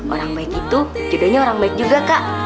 orang baik itu judulnya orang baik juga kak